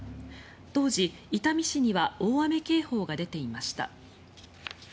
当時、伊丹市には大雨警報が出ていました。